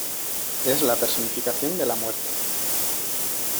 Es la personificación de la muerte.